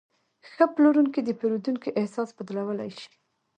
ښه پلورونکی د پیرودونکي احساس بدلولی شي.